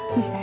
bisa aja deh